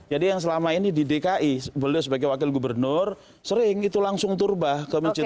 jadi yang selama ini di dki beliau sebagai wakil gubernur sering itu langsung turbah ke masjid masjid